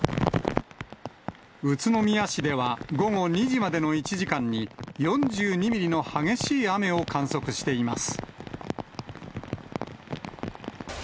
宇都宮市では、午後２時までの１時間に、４２ミリの激しい雨を観測しています。